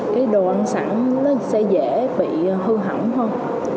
cái đồ ăn sẵn nó sẽ dễ bị hư hỏng hơn